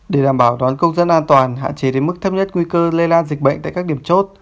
để đảm bảo đón công dân an toàn hạn chế đến mức thấp nhất nguy cơ lây lan dịch bệnh tại các điểm chốt